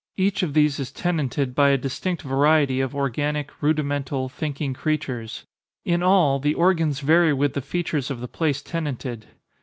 Each of these is tenanted by a distinct variety of organic, rudimental, thinking creatures. In all, the organs vary with the features of the place tenanted.